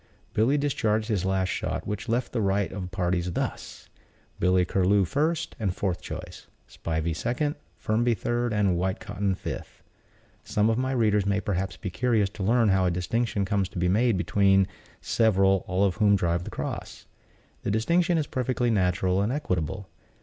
Billy discharged his last shot, which left the rights of parties thus: Billy Curlew first and fourth choice, Spivey second, Firmby third and Whitecotton fifth. Some of my readers may perhaps be curious to learn how a distinction comes to be made between several, all of whom drive the cross. The distinction is perfectly natural and equitable.